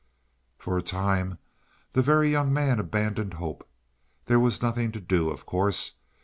For a time the Very Young Man abandoned hope. There was nothing to do, of course.